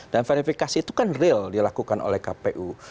dan verifikasi itu kan real dilakukan oleh kpu